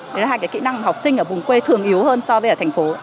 đó là hai cái kỹ năng học sinh ở vùng quê thường yếu hơn so với ở thành phố